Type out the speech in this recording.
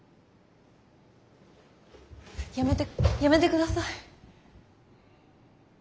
やめてッやめてください。